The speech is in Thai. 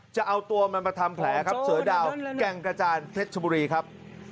จะเอาตัวมันมาทำแผลครับเสือดาวแก่งกระจานเพชรชบุรีครับ